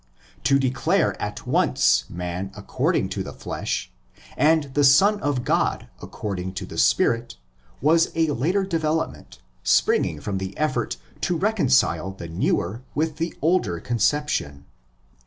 To declare him at once man according to the flesh, and the Son of God according to the spirit, was a later development springing from the effort to reconcile the newer with the older conception.